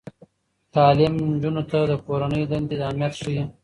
تعلیم نجونو ته د کورنۍ دندې اهمیت ښيي.